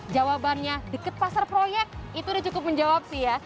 jawabannya deket pasar proyek itu udah cukup menjawab sih ya